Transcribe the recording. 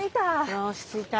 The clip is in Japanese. よし着いた。